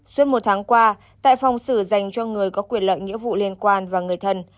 suốt một tháng qua tại phòng xử dành cho người có quyền lợi nghĩa vụ liên quan và người thân